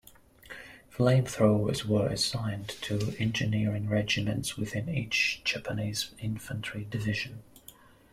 Flamethrowers were assigned to engineering regiments within each Japanese infantry division.